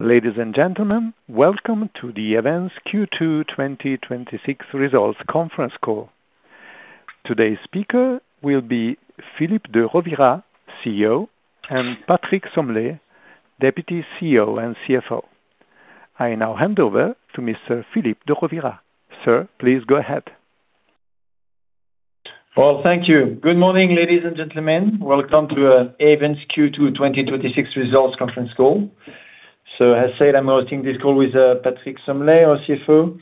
Ladies and gentlemen, welcome to the Ayvens Q2 2026 Results Conference Call. Today's speaker will be Philippe de Rovira, CEO, and Patrick Sommelet, Deputy CEO and CFO. I now hand over to Mr. Philippe de Rovira. Sir, please go ahead. Well, thank you. Good morning, ladies and gentlemen. Welcome to Ayvens Q2 2026 Results Conference Call. As said, I'm hosting this call with Patrick Sommelet, our CFO.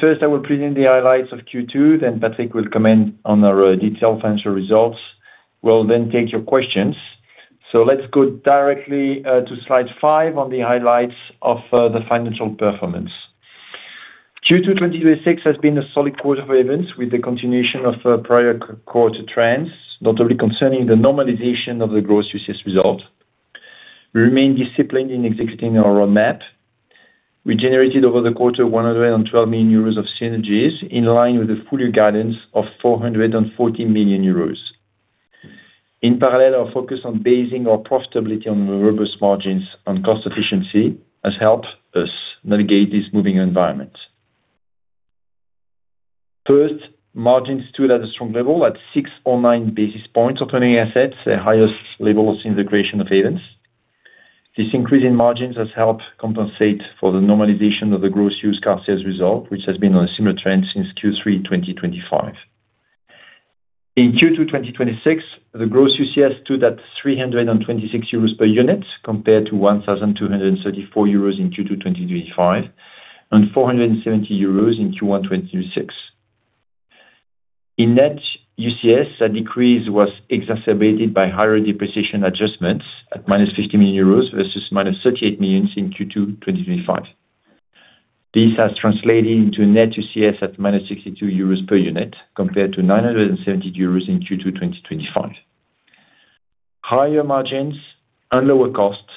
First, I will present the highlights of Q2. Patrick will comment on our detailed financial results. We'll take your questions. Let's go directly to Slide five on the highlights of the financial performance. Q2 2026 has been a solid quarter for Ayvens, with the continuation of prior quarter trends, notably concerning the normalization of the gross UCS result. We remain disciplined in executing our roadmap. We generated, over the quarter, 112 million euros of synergies, in line with the full-year guidance of 440 million euros. In parallel, our focus on basing our profitability on robust margins on cost efficiency has helped us navigate this moving environment. First, margins stood at a strong level at 609 basis points of earning assets, the highest level since the creation of Ayvens. This increase in margins has helped compensate for the normalization of the gross Used Car Sales result, which has been on a similar trend since Q3 2025. In Q2 2026, the gross UCS stood at 326 euros per unit, compared to 1,234 euros in Q2 2025, and 470 euros in Q1 2026. In net UCS, a decrease was exacerbated by higher depreciation adjustments at -50 million euros versus -38 million in Q2 2025. This has translated into net UCS at -62 euros per unit, compared to 970 euros in Q2 2025. Higher margins and lower costs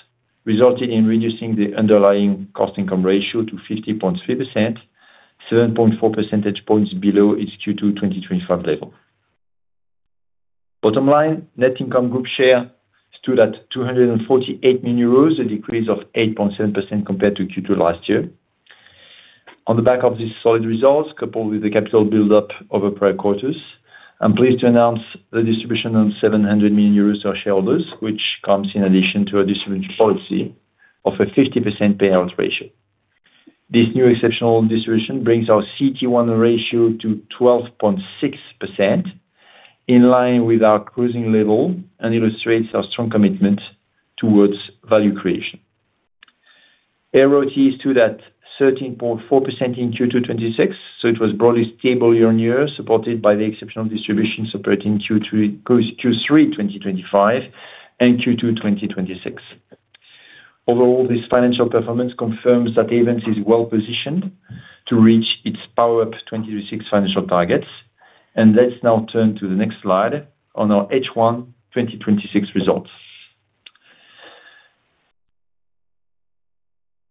resulted in reducing the underlying cost-income ratio to 50.3%, 7.4 percentage points below its Q2 2025 level. Bottom line, net income group share stood at 248 million euros, a decrease of 8.7% compared to Q2 last year. On the back of these solid results, coupled with the capital build-up over prior quarters, I'm pleased to announce the distribution of 700 million euros to our shareholders, which comes in addition to a distribution policy of a 50% payout ratio. This new exceptional distribution brings our CET1 ratio to 12.6%, in line with our cruising level, and illustrates our strong commitment towards value creation. ROTE stood at 13.4% in Q2 2026. It was broadly stable year-on-year, supported by the exceptional distribution support in Q3 2025 and Q2 2026. Overall, this financial performance confirms that Ayvens is well-positioned to reach its PowerUP 2026 financial targets. Let's now turn to the next slide on our H1 2026 results.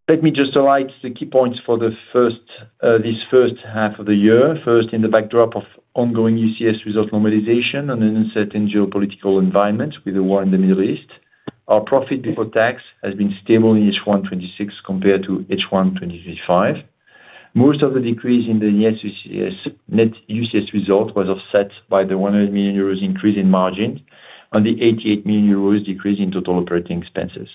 Let me just highlight the key points for this first half of the year. First, in the backdrop of ongoing UCS result normalization and an uncertain geopolitical environment with the war in the Middle East. Our profit before tax has been stable in H1 2026 compared to H1 2025. Most of the decrease in the net UCS result was offset by the 100 million euros increase in margin on the 88 million euros decrease in total operating expenses.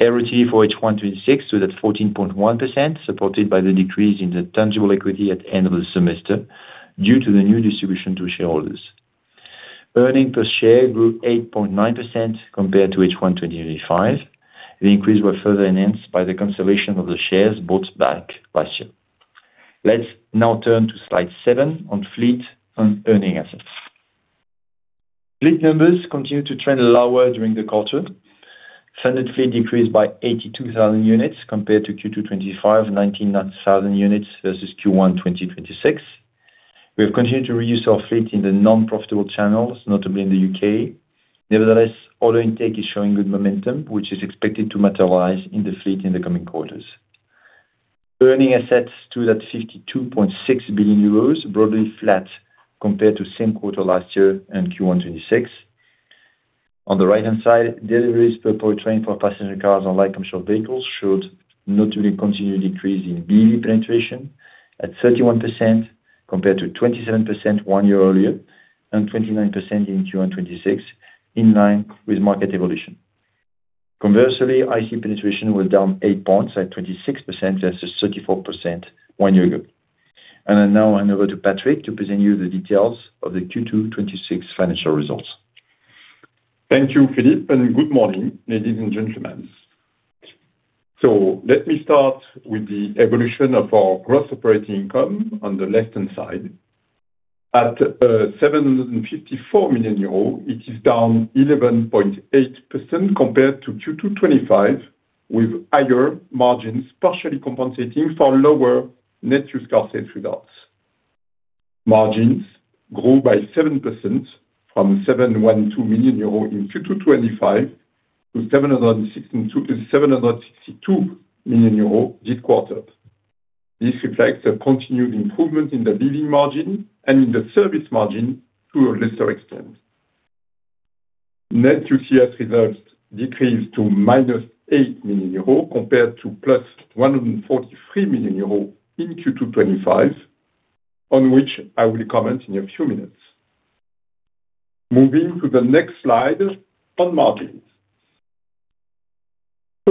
ROTE for H1 2026 stood at 14.1%, supported by the decrease in the tangible equity at the end of the semester due to the new distribution to shareholders. Earnings per share grew 8.9% compared to H1 2025. The increase was further enhanced by the consolidation of the shares bought back last year. Let's now turn to slide seven on fleet and earning assets. Fleet numbers continued to trend lower during the quarter. Standard fleet decreased by 82,000 units compared to Q2 2025, and 19,000 units versus Q1 2026. We have continued to reduce our fleet in the non-profitable channels, notably in the U.K. Nevertheless, order intake is showing good momentum, which is expected to materialize in the fleet in the coming quarters. Earning assets stood at 52.6 billion euros, broadly flat compared to same quarter last year and Q1 2026. On the right-hand side, deliveries per powertrain for passenger cars and light commercial vehicles showed notably continued decrease in BEV penetration at 31% compared to 27% one year earlier, and 29% in Q1 2026, in line with market evolution. Conversely, ICE penetration was down 8 points at 26% versus 34% one year ago. Now I hand over to Patrick to present you the details of the Q2 2026 financial results. Thank you, Philippe, Good morning, ladies and gentlemen. Let me start with the evolution of our gross operating income on the left-hand side. At 754 million euros, it is down 11.8% compared to Q2 2025, with higher margins partially compensating for lower net UCS results. Margins grew by 7% from 712 million euro in Q2 2025 to 762 million euro this quarter. This reflects a continued improvement in the BEV margin and in the service margin to a lesser extent. Net UCS results decreased to -8 million euros compared to +143 million euros in Q2 2025, on which I will comment in a few minutes. Moving to the next slide on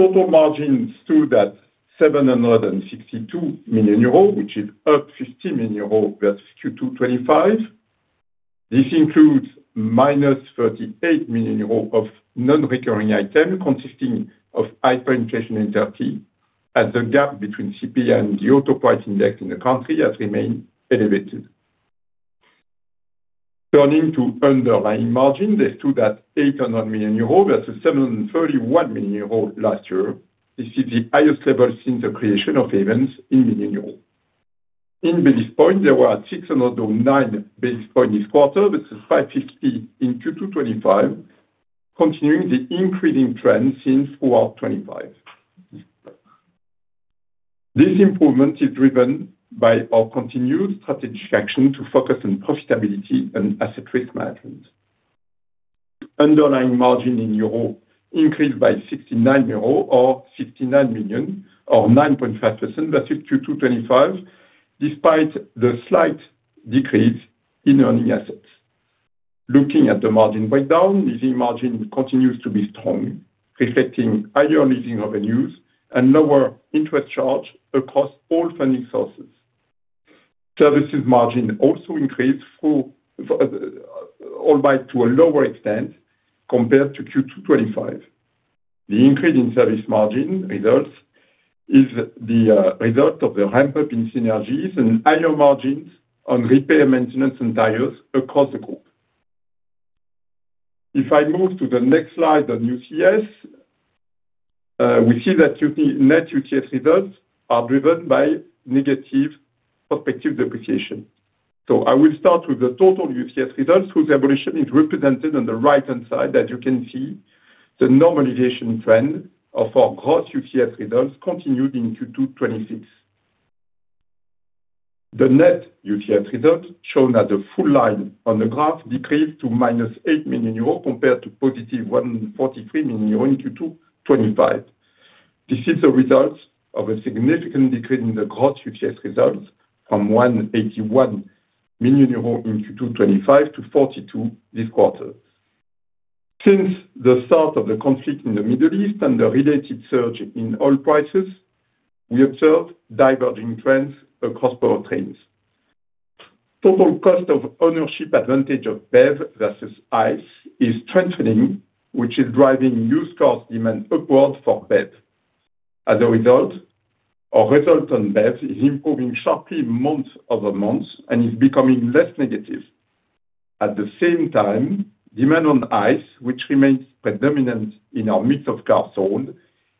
margins. Total margins stood at 762 million euros, which is up 50 million euros versus Q2 2025. This includes -38 million euros of non-recurring item, consisting of hyperinflation in Turkey, as the gap between CPI and the auto price index in the country has remained elevated. Turning to underlying margin, they stood at 800 million euros versus 731 million euros last year. This is the highest level since the creation of Ayvens. In basis points, there were 609 basis points this quarter versus 550 in Q2 2025, continuing the increasing trend since Q4 2025. This improvement is driven by our continued strategic action to focus on profitability and asset risk management. Underlying margin in EUR increased by 69 million euro or 9.5% versus Q2 2025, despite the slight decrease in earning assets. Looking at the margin breakdown, leasing margin continues to be strong, reflecting higher leasing revenues and lower interest charge across all funding sources. Services margin also increased, albeit to a lower extent compared to Q2 2025. The increase in service margin is the result of the ramp-up in synergies and higher margins on repair, maintenance, and tires across the group. If I move to the next slide on UCS, we see that net UCS results are driven by negative prospective depreciation. I will start with the total UCS results, whose evolution is represented on the right-hand side. As you can see, the normalization trend of our gross UCS results continued in Q2 2026. The net UCS result shown as a full line on the graph decreased to -8 million euros compared to +143 million euros in Q2 2025. This is a result of a significant decrease in the gross UCS results from 181 million euro in Q2 2025 to 42 this quarter. Since the start of the conflict in the Middle East and the related surge in oil prices, we observed diverging trends across power trains. Total cost of ownership advantage of BEV versus ICE is strengthening, which is driving used cars demand upward for BEV. As a result, our result on BEV is improving sharply month-over-month and is becoming less negative. At the same time, demand on ICE, which remains predominant in our mixed of cars sold,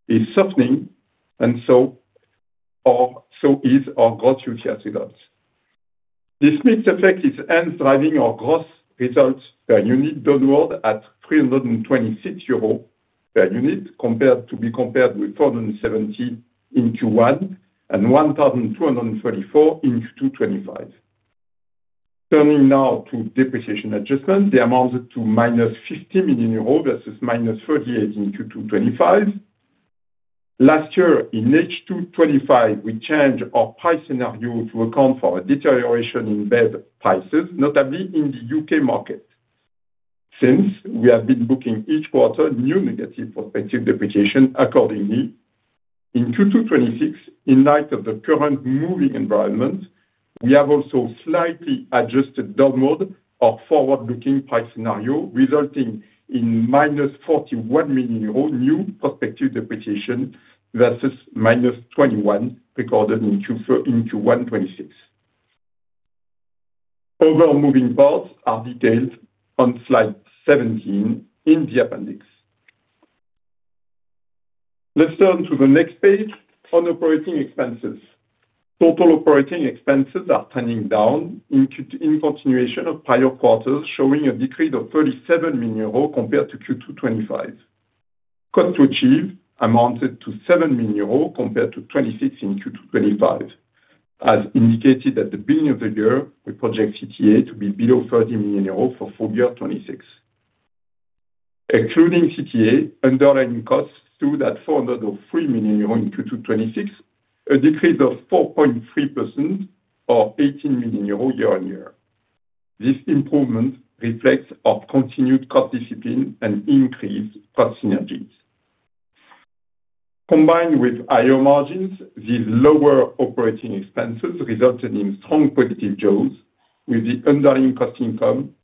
is softening, so is our gross UCS results. This mixed effect is hence driving our gross results per unit downward at 326 euro per unit, to be compared with 470 in Q1 and 1,234 in Q2 2025. Turning now to depreciation adjustment. They amounted to -50 million euros versus -38 in Q2 2025. Last year, in H2 2025, we changed our price scenario to account for a deterioration in BEV prices, notably in the U.K. market. Since, we have been booking each quarter new negative prospective depreciation accordingly. In Q2 2026, in light of the current moving environment, we have also slightly adjusted downward our forward-looking price scenario, resulting in -41 million euro new prospective depreciation versus -21 recorded in Q1 2026. Other moving parts are detailed on slide 17 in the appendix. Let's turn to the next page on operating expenses. Total operating expenses are turning down in continuation of prior quarters, showing a decrease of 37 million euros compared to Q2 2025. Cost to achieve amounted to 7 million euros compared to 26 in Q2 2025. As indicated at the beginning of the year, we project CTA to be below 30 million euros for full year 2026. Excluding CTA, underlying costs stood at 403 million euro in Q2 2026, a decrease of 4.3% or 18 million euro year-on-year. This improvement reflects our continued cost discipline and increased cost synergies. Combined with higher margins, these lower operating expenses resulted in strong positive jaws with the underlying cost income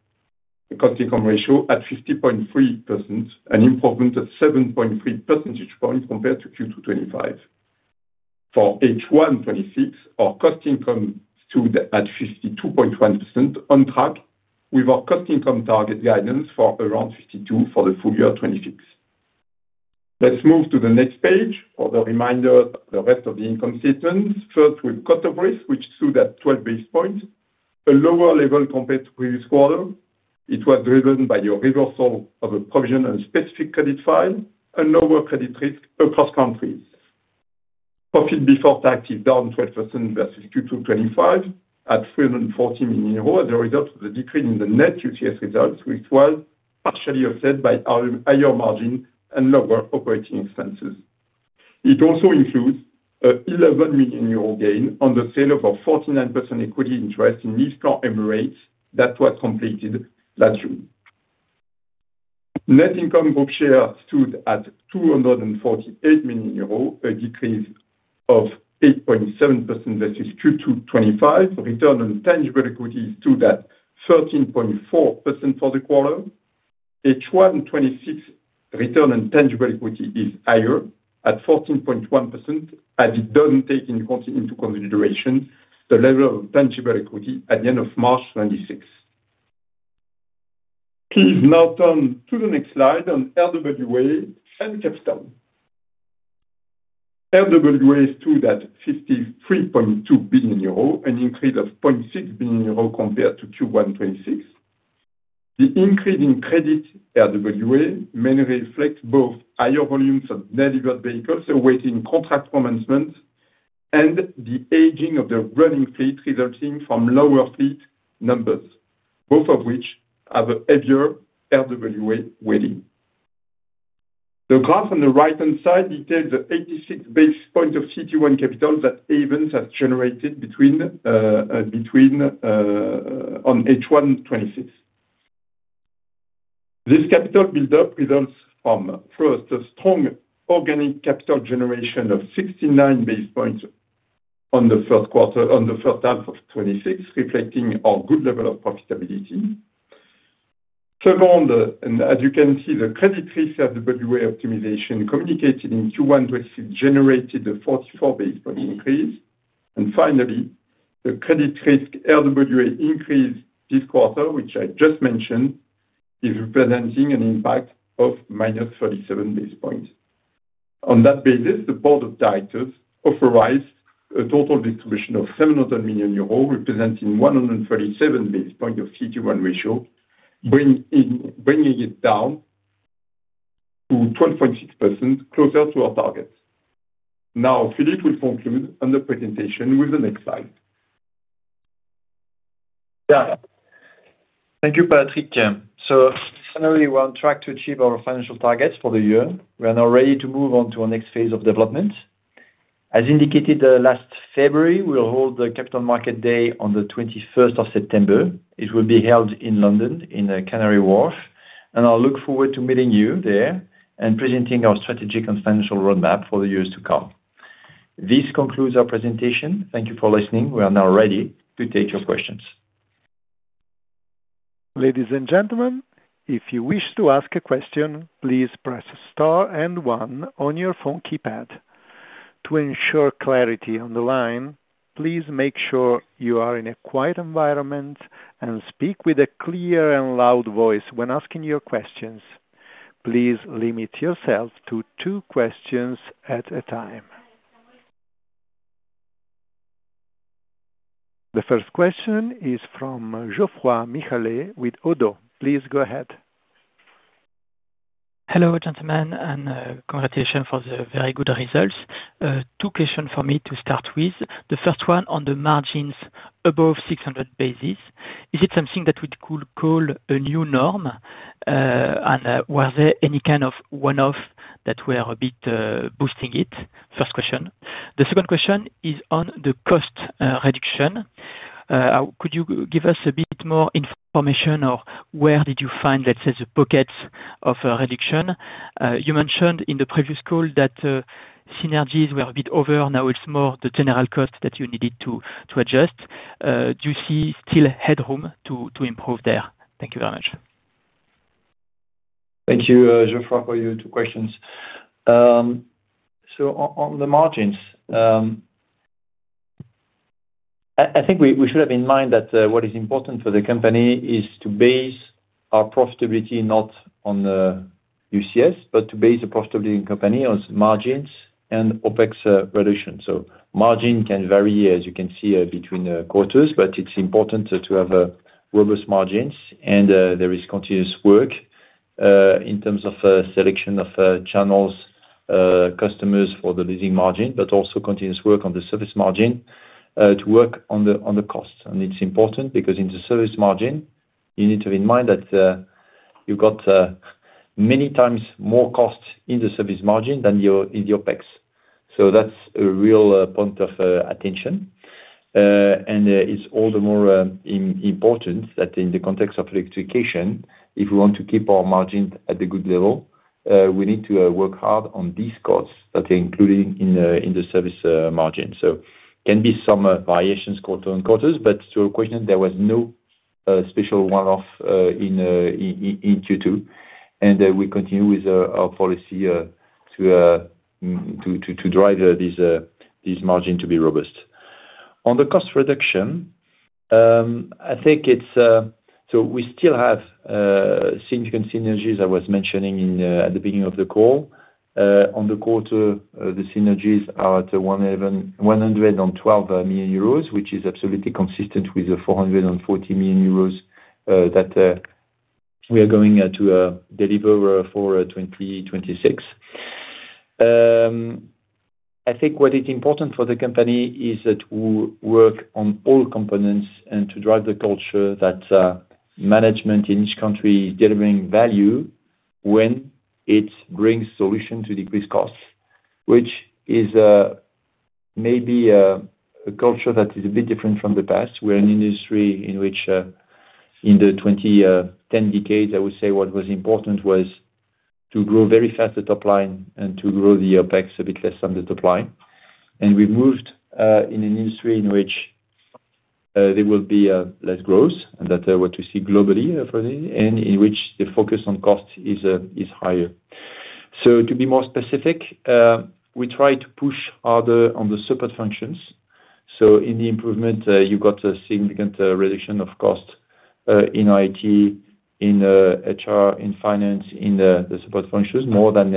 ratio at 50.3%, an improvement of 7.3 percentage points compared to Q2 2025. For H1 2026, our cost income stood at 52.1% on track with our cost income target guidance for around 52% for the full year 2026. Let's move to the next page for the reminder, the rest of the income statement. First, with cost of risk, which stood at 12 basis points, a lower level compared to previous quarter. It was driven by the reversal of a provision on specific credit file and lower credit risk across countries. Profit before tax is down 12% versus Q2 2025, at 340 million euros, as a result of the decrease in the net UCS results, which was partially offset by our higher margin and lower operating expenses. It also includes an 11 million euro gain on the sale of our 49% equity interest in LeasePlan Emirates that was completed last June. Net income per share stood at 248 million euros, a decrease of 8.7% versus Q2 2025. Return on tangible equity stood at 13.4% for the quarter. H1 2026 return on tangible equity is higher at 14.1%, as it doesn't take into consideration the level of tangible equity at the end of March 2026. Please now turn to the next slide on RWA and capital. RWA stood at 53.2 billion euros, an increase of 0.6 billion euros compared to Q1 2026. The increase in credit RWA mainly reflects both higher volumes of delivered vehicles awaiting contract commencement and the aging of the running fleet resulting from lower fleet numbers, both of which have a heavier RWA weighting. The graph on the right-hand side details the 86 basis points of CET1 capital that Ayvens has generated on H1 2026. This capital buildup results from, first, a strong organic capital generation of 69 basis points on the first half of 2026, reflecting our good level of profitability. Second, as you can see, the credit risk RWA optimization communicated in Q1 2026 generated a 44 basis point increase. Finally, the credit risk RWA increase this quarter, which I just mentioned, is representing an impact of -37 basis points. On that basis, the Board of Directors authorized a total distribution of 700 million euros, representing 137 basis points of CET1 ratio, bringing it down to 12.6%, closer to our targets. Philippe will conclude on the presentation with the next slide. Thank you, Patrick. Finally, we're on track to achieve our financial targets for the year. As indicated last February, we'll hold the Capital Markets Day on the September 21st. It will be held in London, in Canary Wharf, and I look forward to meeting you there and presenting our strategic and financial roadmap for the years to come. This concludes our presentation. Thank you for listening. We are now ready to take your questions. Ladies and gentlemen, if you wish to ask a question, please press star and one on your phone keypad. To ensure clarity on the line, please make sure you are in a quiet environment and speak with a clear and loud voice when asking your questions. Please limit yourself to two questions at a time. The first question is from Geoffroy Michalet with ODDO. Please go ahead. Hello, gentlemen. Congratulations for the very good results. Two questions for me to start with. The first one on the margins above 600 basis points. Is it something that we could call a new norm? Was there any kind of one-off that were a bit boosting it? First question. The second question is on the cost reduction. Could you give us a bit more information on where did you find, let's say, the pockets of reduction? You mentioned in the previous call that synergies were a bit over. Now it's more the general cost that you needed to adjust. Do you see still headroom to improve there? Thank you very much. Thank you, Geoffroy, for your two questions. On the margins, I think we should have in mind that what is important for the company is to base our profitability not on the UCS, but to base the profitability of the company on margins and OpEx reduction. Margin can vary, as you can see, between quarters, but it's important to have robust margins. There is continuous work, in terms of selection of channels, customers for the leasing margin, but also continuous work on the service margin, to work on the costs. It's important because in the service margin, you need to have in mind that you've got many times more costs in the service margin than in your OpEx. That's a real point of attention. It's all the more important that in the context of electrification, if we want to keep our margins at a good level, we need to work hard on these costs that are included in the service margin. Can be some variations quarter-on-quarter, but to your question, there was no special one-off in Q2. We continue with our policy to drive this margin to be robust. On the cost reduction, we still have significant synergies, I was mentioning at the beginning of the call. On the quarter, the synergies are to 112 million euros, which is absolutely consistent with the 440 million euros that we are going to deliver for 2026. I think what is important for the company is that we work on all components and to drive the culture that management in each country is delivering value when it brings solution to decrease costs, which is maybe a culture that is a bit different from the past. We're an industry in which, in the 2010 decades, I would say what was important was to grow very fast the top line and to grow the OpEx a bit less on the top line. We've moved in an industry in which there will be less growth, and that what you see globally, in which the focus on cost is higher. To be more specific, we try to push harder on the support functions. In the improvement, you got a significant reduction of cost, in IT, in HR, in finance, in the support functions, more than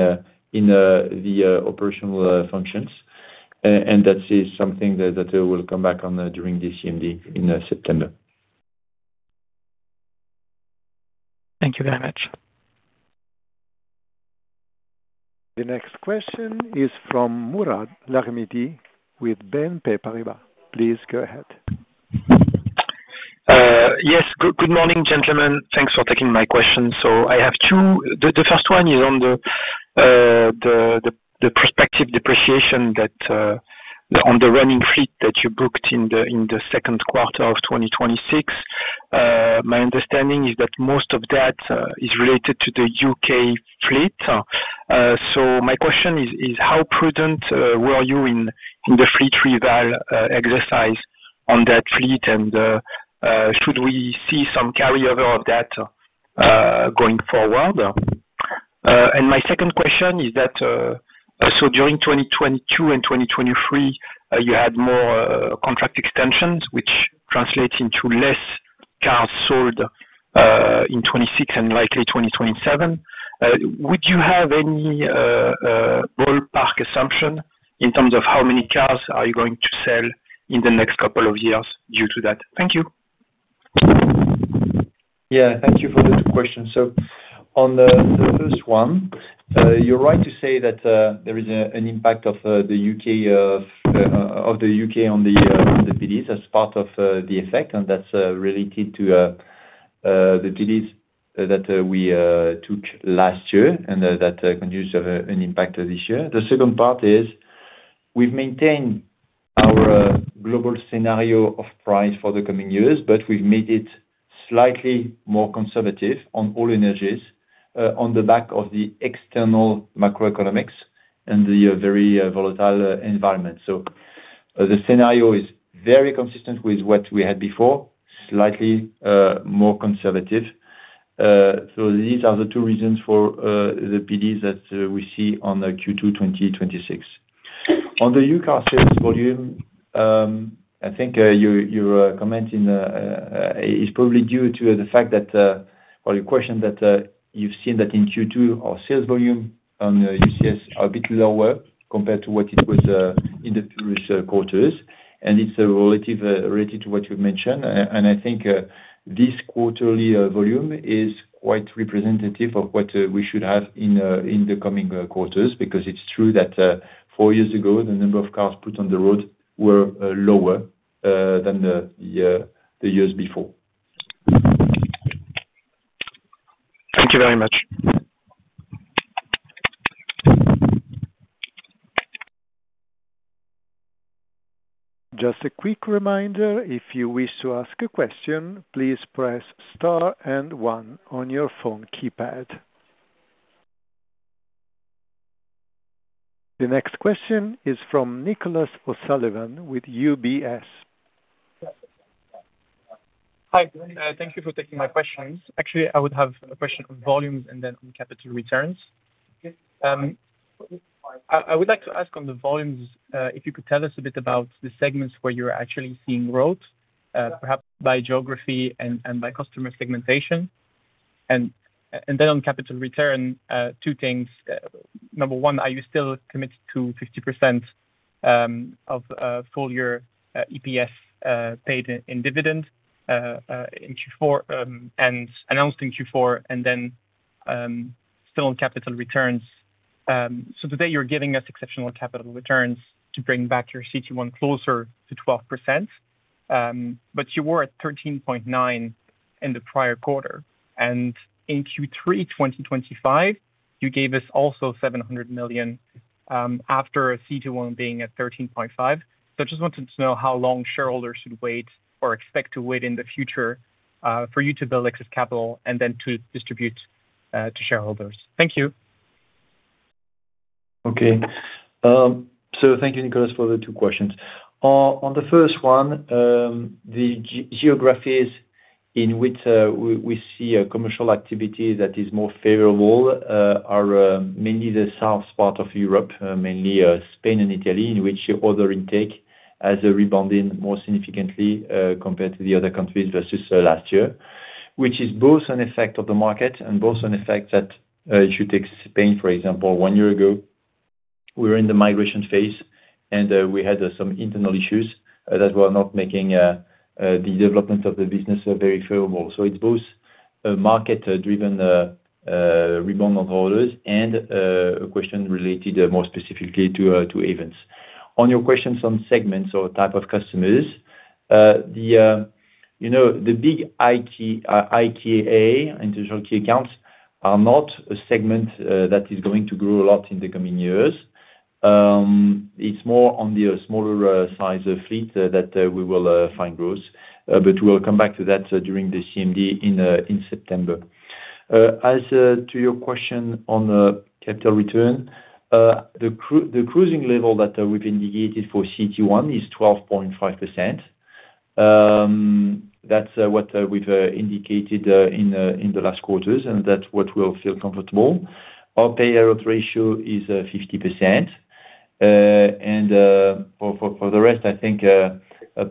in the operational functions. That is something that I will come back on during this CMD in September. Thank you very much. The next question is from Mourad Lahmidi with BNP Paribas. Please go ahead. Yes. Good morning, gentlemen. Thanks for taking my question. I have two. The first one is on the prospective depreciation that on the running fleet that you booked in the second quarter of 2026. My understanding is that most of that is related to the U.K. fleet. My question is, how prudent were you in the fleet reval exercise on that fleet, and should we see some carryover of that going forward? My second question is that, during 2022 and 2023, you had more contract extensions, which translates into less cars sold in 2026 and likely 2027. Would you have any ballpark assumption in terms of how many cars are you going to sell in the next couple of years due to that? Thank you. Thank you for the two questions. On the first one, you're right to say that there is an impact of the U.K. on the PDs as part of the effect, that's related to the PDs that we took last year and that continues to have an impact this year. The second part is we've maintained our global scenario of price for the coming years, we've made it slightly more conservative on all energies, on the back of the external macroeconomics and the very volatile environment. The scenario is very consistent with what we had before, slightly more conservative. These are the two reasons for the PDs that we see on the Q2 2026. On the Used Car Sales volume, I think your comment is probably due to the fact that, or your question that you've seen that in Q2, our sales volume on UCS are a bit lower compared to what it was in the previous quarters, it's related to what you mentioned. I think this quarterly volume is quite representative of what we should have in the coming quarters, because it's true that four years ago, the number of cars put on the road were lower than the years before. Thank you very much. Just a quick reminder, if you wish to ask a question, please press star and one on your phone keypad. The next question is from Nicolas O'Sullivan with UBS. Hi. Thank you for taking my questions. Actually, I would have a question on volumes and then on capital returns. I would like to ask on the volumes, if you could tell us a bit about the segments where you're actually seeing growth, perhaps by geography and by customer segmentation. On capital return, two things. Number one, are you still committed to 50% of full year EPS paid in dividend, in Q4, and announced in Q4? Still on capital returns. Today you're giving us exceptional capital returns to bring back your CET1 closer to 12%, but you were at 13.9 in the prior quarter. In Q3 2025, you gave us also 700 million, after CET1 being at 13.5. I just wanted to know how long shareholders should wait or expect to wait in the future, for you to build excess capital to distribute to shareholders. Thank you. Okay. Thank you, Nicolas, for the two questions. On the first one, the geographies in which we see a commercial activity that is more favorable, are mainly the south part of Europe, mainly Spain and Italy, in which order intake has rebounded more significantly, compared to the other countries versus last year. Which is both an effect of the market and both an effect that you take Spain, for example, one year ago We were in the migration phase, and we had some internal issues that were not making the development of the business very favorable. It's both a market-driven rebound of orders and a question related more specifically to Ayvens. On your questions on segments or type of customers, the big IKA, individual key accounts, are not a segment that is going to grow a lot in the coming years. It's more on the smaller size of fleet that we will find growth. We'll come back to that during the CMD in September. As to your question on capital return, the cruising level that we've indicated for CET1 is 12.5%. That's what we've indicated in the last quarters, and that's what we'll feel comfortable. Our payout ratio is 50%. For the rest, I think,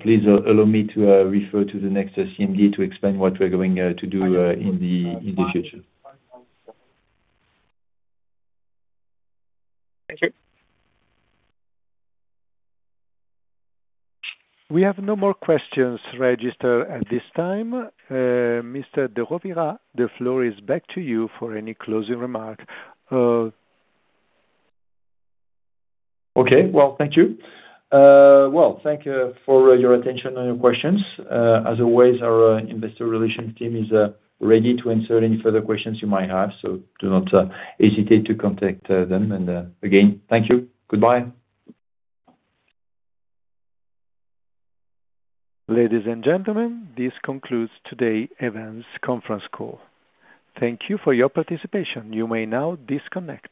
please allow me to refer to the next CMD to explain what we're going to do in the future. Thank you. We have no more questions registered at this time. Mr. de Rovira, the floor is back to you for any closing remark. Okay. Well, thank you. Thank you for your attention and your questions. As always, our investor relations team is ready to answer any further questions you might have, do not hesitate to contact them. Again, thank you. Goodbye. Ladies and gentlemen, this concludes today Ayvens conference call. Thank you for your participation. You may now disconnect.